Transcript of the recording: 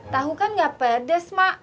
tahu kan gak pedes mak